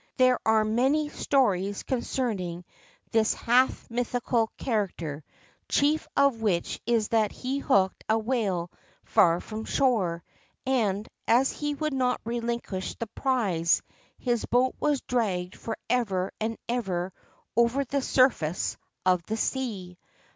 There are many stories concerning this half mythical character, chief of which is that he hooked a whale far from shore, and, as he would not relinquish the prize, his boat was dragged for ever and ever over the surface of the sea.